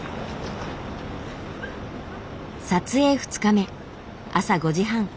撮影２日目朝５時半。